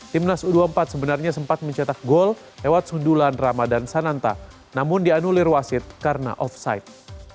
timnas u dua puluh empat sebenarnya sempat mencetak gol lewat sundulan ramadan sananta namun dianulir wasit karena offside